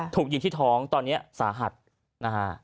ถูกยิงที่ท้องตอนนี้สาหัสนะฮะ